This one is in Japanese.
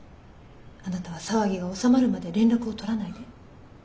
あなたは騒ぎが収まるまで連絡を取らないで。